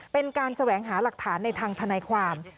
เป็นการแสวงหาหลักฐานในทางทนายความ